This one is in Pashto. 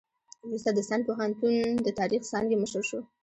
وروسته د سند پوهنتون د تاریخ څانګې مشر شو.